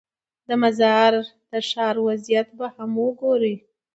د مزار د ښار وضعیت به هم وګورې.